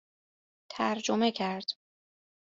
ترجمه کرد